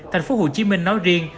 thành phố hồ chí minh nói riêng